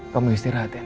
kamu istirahat yana